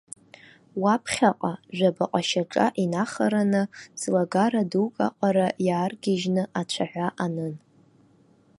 Уаԥхьаҟа, жәабаҟа шьаҿа инахараны, ӡлагара дук аҟара иааргьежьны, ацәаҳәа анын.